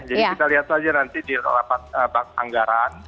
jadi kita lihat saja nanti di rapat anggaran